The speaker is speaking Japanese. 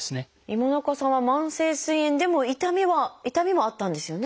今中さんは慢性すい炎でも痛みもあったんですよね。